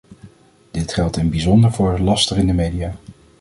Dit geldt in bijzonder voor laster in de media.